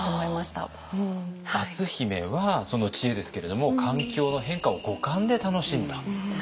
篤姫はその知恵ですけれども環境の変化を五感で楽しんだ。